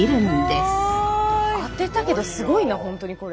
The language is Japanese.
当てたけどすごいな本当にこれ。